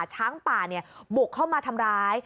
ช้างป่าบุกเข้ามาทำร้าย